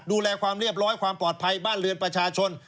ดูแลความเรียบร้อยความปลอดภัยบ้านเรือนประชาชน